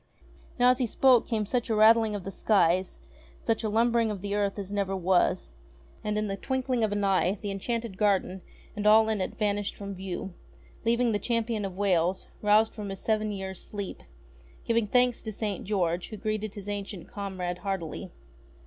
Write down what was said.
. Now, as he spoke, came such a rattling of the skies, such a lumbering of the earth as never was, and in the twinkling of an eye the Enchanted Garden and all in it vanished from view, leaving the Champion of Wales, roused from his seven years' sleep, giving thanks to St. George, who greeted his ancient comrade heartily.